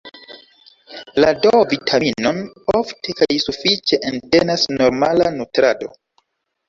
La D-vitaminon ofte kaj sufiĉe entenas normala nutrado.